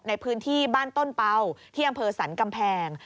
ในพื้นที่บ้านต้นเป่าที่อำเภอสรรกำแพง